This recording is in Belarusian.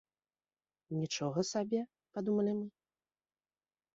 Нічога сабе, падумалі мы.